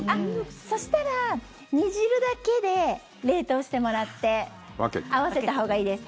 そしたら煮汁だけで冷凍してもらって合わせたほうがいいです。